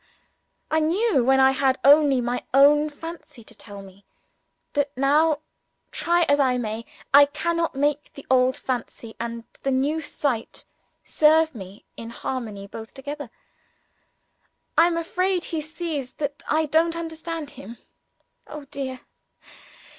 I knew when I had only my own fancy to tell me. But now, try as I may, I cannot make the old fancy and the new sight serve me in harmony both together. I am afraid he sees that I don't understand him. Oh, dear!